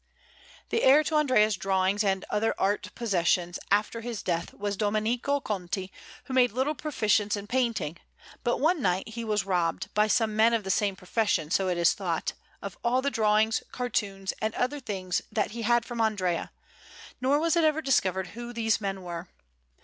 The heir to Andrea's drawings and other art possessions, after his death, was Domenico Conti, who made little proficience in painting; but one night he was robbed by some men of the same profession, so it is thought of all the drawings, cartoons, and other things that he had from Andrea, nor was it ever discovered who these men were.